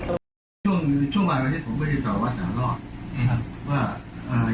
ช่วงมากว่านี้ผมไม่ได้เจอกับวัฒนาลอร์ด